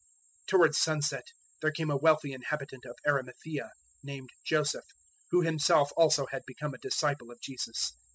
027:057 Towards sunset there came a wealthy inhabitant of Arimathaea, named Joseph, who himself also had become a disciple of Jesus.